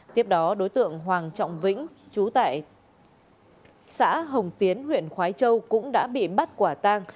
tiếp đó đối tượng hoàng trọng vĩnh chú tại xã hồng tiến huyện khói châu cũng đã bị bắt quả tang